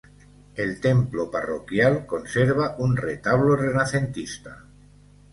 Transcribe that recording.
El templo parroquial conserva un retablo renacentista.